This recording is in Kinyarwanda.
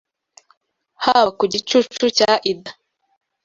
Haba ku gicucu cya Ida